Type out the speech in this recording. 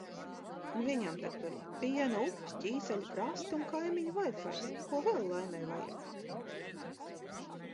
Viņam tak tur piena upes, ķīseļa krasti un kaimiņa vaifajs! Ko vēl laimei vajag?